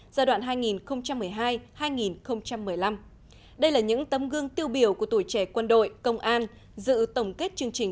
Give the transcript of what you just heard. giai đoạn hai nghìn một mươi hai hai nghìn một mươi năm đây là những tấm gương tiêu biểu của tuổi trẻ quân đội công an dự tổng kết chương trình